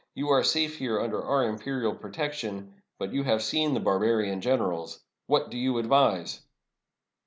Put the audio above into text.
You are safe here under our imperial protection, but you have seen the barbarian generals. What do you advise?"